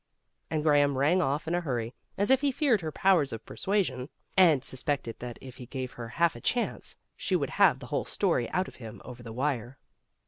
And Graham rang off in a hurry, as if he feared her powers of persuasion, and suspected that if he gave her half a chance she would have the whole story out of him over the wire.